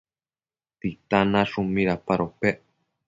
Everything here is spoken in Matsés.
¿Titan nashun midapadopec?